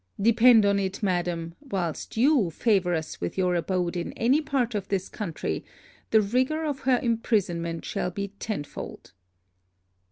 Depend upon it, madam, whilst you favour us with your abode in any part of this country, the rigour of her imprisonment shall be tenfold.'